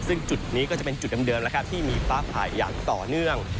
ซึ่งจุดนี้ก็จะเป็นจุดเดิมแล้วครับที่มีฟ้าผ่ายอย่างต่อเนื่อง